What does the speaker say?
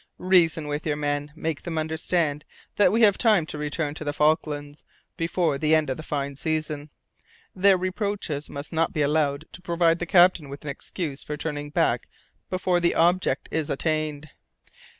Reason with your men. Make them understand that we have time to return to the Falklands before the end of the fine season. Their reproaches must not be allowed to provide the captain with an excuse for turning back before the object is attained."